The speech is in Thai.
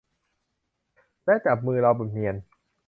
และจับมือเราแบบเนียน